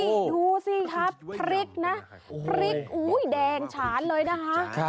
ดูสิครับพริกนะพริกอุ้ยแดงฉานเลยนะคะ